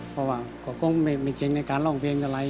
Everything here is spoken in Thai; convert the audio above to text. เพราะว่าก็คงไม่เก่งในการร้องเพลงอะไร